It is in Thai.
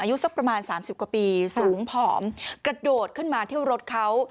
อายุสักประมาณสามสิบกว่าปีสูงผอมกระโดดขึ้นมาเที่ยวรถเขา